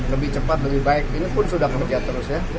lebih cepat lebih baik ini pun sudah kerja terus ya